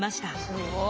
すごい。